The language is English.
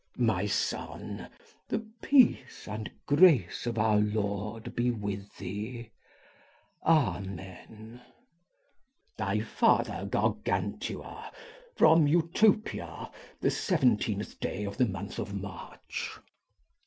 My son, the peace and grace of our Lord be with thee. Amen. Thy father Gargantua. From Utopia the 17th day of the month of March.